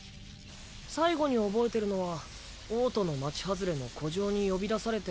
最後に覚えてるのは王都の町外れの古城に呼び出されて。